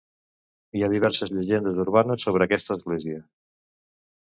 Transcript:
Hi ha diverses llegendes urbanes sobre aquesta església.